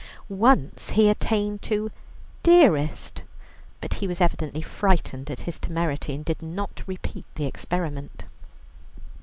Once he attained to "dearest," but he was evidently frightened at his temerity, and did not repeat the experiment.